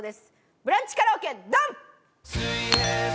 ブランチカラオケドン！